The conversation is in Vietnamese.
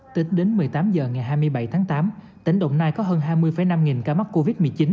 tính đến một mươi tám h ngày hai mươi bảy tháng tám tỉnh đồng nai có hơn hai mươi năm ca mắc covid một mươi chín